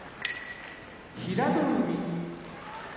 平戸海